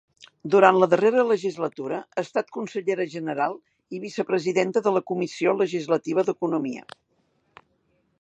Durant la darrera legislatura ha estat Consellera General i Vicepresidenta de la Comissió Legislativa d’Economia.